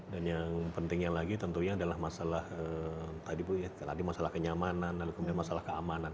dan yang pentingnya lagi tentunya adalah masalah tadi bu ya tadi masalah kenyamanan kemudian masalah keamanan